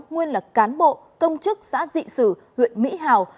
nguyên là cán bộ công chức xã dị sử huyện mỹ hào